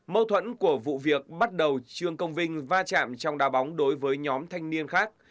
mâu thuẫn của vụ việc bắt đầu trương công vinh va chạm trong đa bóng đối với nhóm thanh niên khác